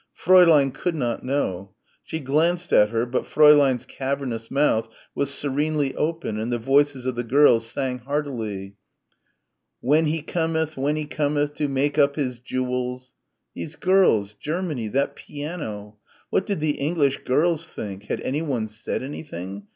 Fräulein could not know.... She glanced at her, but Fräulein's cavernous mouth was serenely open and the voices of the girls sang heartily, "Whenhy _com_eth. Whenhy _com_eth, to make up his _jew_els " These girls, Germany, that piano.... What did the English girls think? Had anyone said anything?